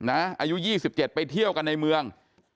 อายุ๒๗ไปเที่ยวกันในเมือง